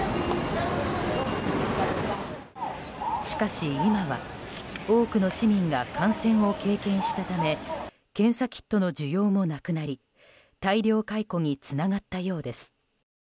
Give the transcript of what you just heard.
しかし、今は多くの市民が感染を経験したため検査キットの需要もなくなり大量解雇につながったようです。